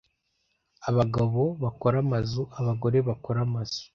Abagabo bakora amazu, abagore bakora amazu.